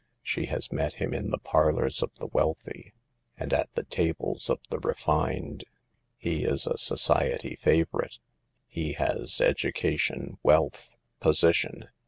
She has met him in the parlors of the wealthy, and at the tables of the refined. He is a " society favorite." He has education, wealth, position.